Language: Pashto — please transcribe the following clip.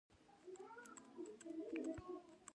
وردګ قوم په میلمه پالنه کې ډیر زیات مشهور دي.